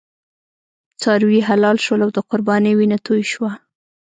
څاروي حلال شول او د قربانۍ وینه توی شوه.